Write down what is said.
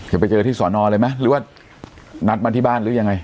จะไปเจอที่สอนอเลยไหมหรือว่านัดมาที่บ้านหรือยังไง